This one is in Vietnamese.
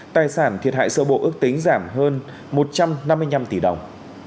tài sản thiệt hại sơ bộ ước tính giảm hơn một trăm năm mươi năm tỷ đồng